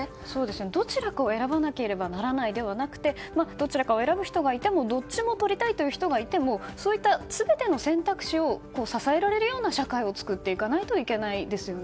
どちらかを選ばなければならないではなくてどちらかを選ぶ人がいてもどっちをとりたいという人がいてもそういった全ての選択肢を支えられるような社会を作っていかないといけないですよね。